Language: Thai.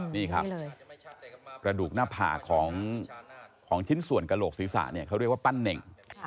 นี่ครับกระดูกหน้าผากของชิ้นส่วนกระโหลกศีรษะเนี่ยเขาเรียกว่าปั้นเน่ง